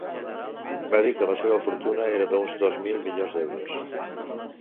Va dir que la seva fortuna era d’uns dos mil milions d’euros.